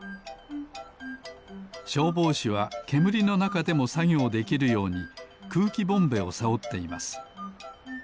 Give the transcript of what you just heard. しょうぼうしはけむりのなかでもさぎょうできるようにくうきボンベをせおっています。